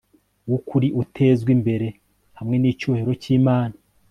wukuri utezwa imbere hamwe nicyubahiro cyImana